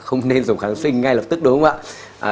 không nên dùng kháng sinh ngay lập tức đúng không ạ